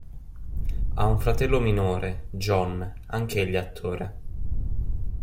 Ha un fratello minore, Jon, anch'egli attore.